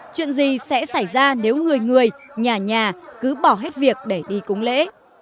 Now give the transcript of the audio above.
chuyện gì sẽ xảy ra nếu người người nhà nhà cứ bỏ hết việc để đi cúng lễ